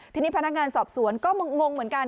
ทีนี้พนักงานสอบสวนก็งงเหมือนกัน